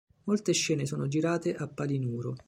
Molte scene sono girate a Palinuro.